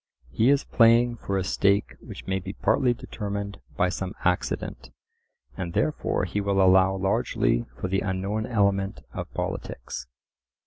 He is playing for a stake which may be partly determined by some accident, and therefore he will allow largely for the unknown element of politics.